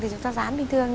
thì chúng ta rán bình thường